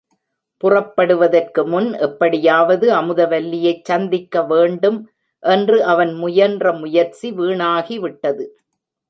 புறப்படுவதற்கு முன் எப்படியாவது அமுதவல்லியைச் சந்திக்க வேண்டும் என்று அவன் முயன்ற முயற்சி வீணாகிவிட்டது.